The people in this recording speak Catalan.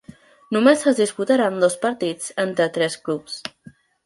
Només es disputaren dos partits entre tres clubs.